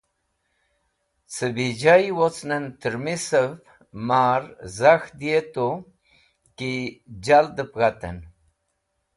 Cẽ bẽjoy wocnẽn tẽrmisẽv mar zag diyetu ki jaldẽb ghatẽn